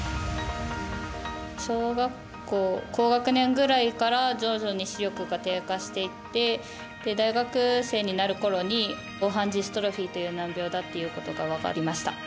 小学校高学年ぐらいから徐々に視力が低下していって大学生になるころに黄斑ジストロフィーという難病だっていうことが分かりました。